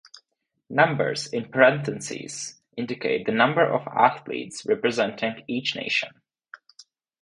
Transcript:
Numbers in parenthesis indicate the number of athletes representing each nation.